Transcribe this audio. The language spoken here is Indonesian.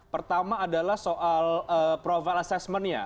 pertama adalah soal profile assessment nya